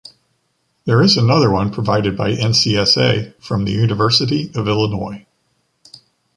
There is another one provided by NCSA from the University of Illinois.